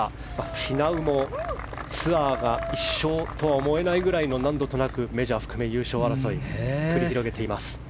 フィナウもツアーが１勝とは思えないくらいの何度となくメジャー含め優勝争いを繰り広げています。